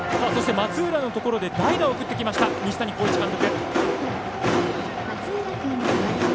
松浦のところで代打を送ってきた西谷浩一監督。